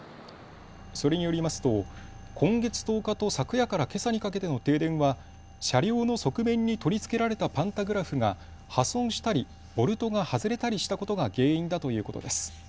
それによりますと今月１０日と昨夜からけさにかけての停電は車両の側面に取り付けられたパンタグラフが破損したりボルトが外れたりしたことが原因だということです。